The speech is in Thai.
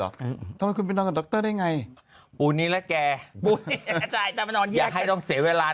ทำไมคุณไปนอนกับดรได้ไงปูนี้และแกปูนี้อยากให้ต้องเสียเวลา